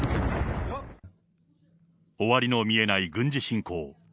終わりの見えない軍事侵攻。